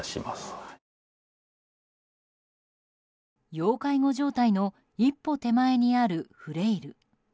要介護状態の一歩手前にあるフレイル。